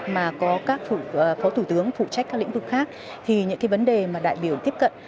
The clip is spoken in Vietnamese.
mà có các phó thủ tướng phụ trách các lĩnh vực khác thì những cái vấn đề mà đại biểu tiếp cận